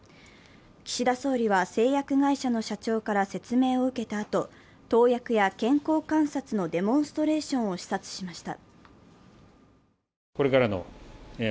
岸田総理は製薬会社の社長から説明を受けたあと投薬や健康観察のデモンストレーションを視察しました。